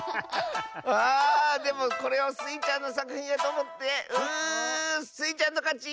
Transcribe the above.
あでもこれをスイちゃんのさくひんやとおもってうスイちゃんのかち！